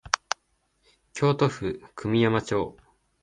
京都府久御山町